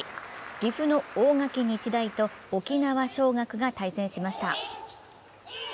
岐阜の大垣日大と沖縄尚学が対戦しました。